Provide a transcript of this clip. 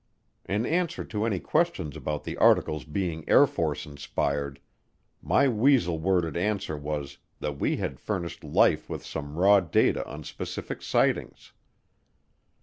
In answer to any questions about the article's being Air Force inspired, my weasel worded answer was that we had furnished Life with some raw data on specific sightings.